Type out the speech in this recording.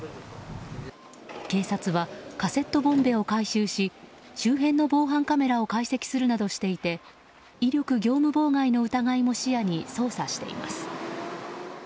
警察はカセットボンベを回収し周辺の防犯カメラを解析するなどしていて威力業務妨害の疑いも視野に捜査しています。